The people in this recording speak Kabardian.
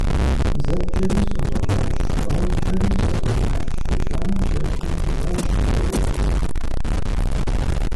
Зэ пкӀэри, сӀэщӀэкӀащ, тӀэу пкӀэри, сӀэщӀэкӀащ, ещанэм си Ӏэгум къихуащ пкӀауэжь цӀыкӀур.